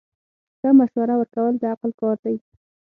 ښه مشوره ورکول د عقل کار دی.